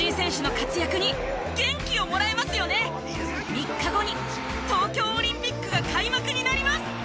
３日後に東京オリンピックが開幕になります！